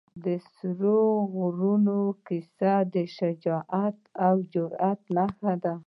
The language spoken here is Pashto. د سرو غرونو کیسه د شجاعت او جرئت نښه ده.